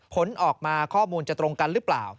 ผลออกมาข้อมูลจะตรงกันหรือเปล่า